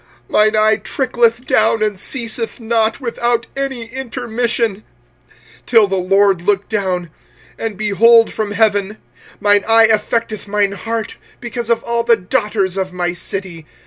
25:003:049 Mine eye trickleth down, and ceaseth not, without any intermission. 25:003:050 Till the LORD look down, and behold from heaven. 25:003:051 Mine eye affecteth mine heart because of all the daughters of my city.